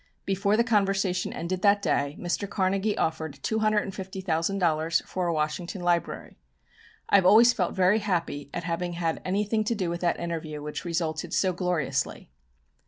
Before the conversation ended that day, Mr. Carnegie offered $250,000 for a Washington library. I have always felt very happy at having had anything to do with that interview, which resulted so gloriously."